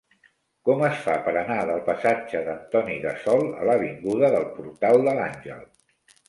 Com es fa per anar del passatge d'Antoni Gassol a l'avinguda del Portal de l'Àngel?